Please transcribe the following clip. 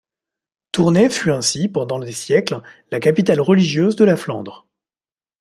Tournai fut ainsi pendant des siècles la capitale religieuse de la Flandre.